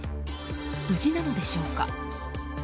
無事なのでしょうか。